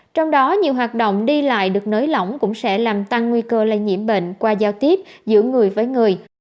trong đó nhiều hoạt động đi lại được nới lỏng cũng sẽ làm tăng nguy cơ lây nhiễm bệnh qua giao tiếp giữa người với người